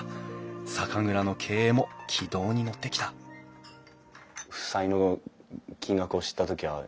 酒蔵の経営も軌道に乗ってきた負債の金額を知った時は？